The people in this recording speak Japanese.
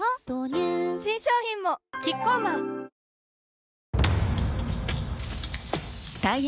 新商品もキッコーマンあれ？